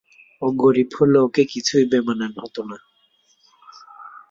ও গরিব হলে ওকে কিছুই বেমানান হত না।